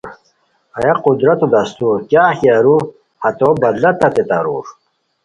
ہیہ قدرتو دستور کیاغ کی ارو ہتو بدلہ تت تارور